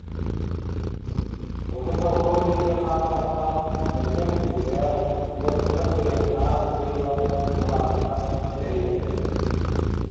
Хоту-соҕуруу диэки хаамтахха, өлгөм үүнүүлээх, уостубат быйаҥнаах сыһыылар, алаастар нэлэһийэ түһэллэр